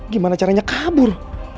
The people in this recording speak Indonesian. gimana caranya kabur